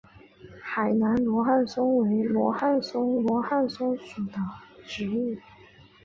海南罗汉松为罗汉松科罗汉松属的植物。